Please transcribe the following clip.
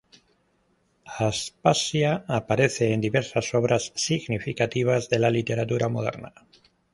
Aspasia aparece en diversas obras significativas de la literatura moderna.